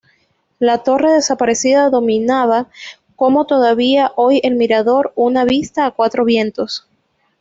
La torre desaparecida dominaba, como todavía hoy el mirador, una vista a cuatro vientos.